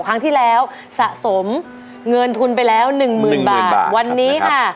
ครั้งที่แล้วสะสมเงินทุนไปแล้วหนึ่งหมื่นบาทหนึ่งหมื่นบาทวันนี้ค่ะ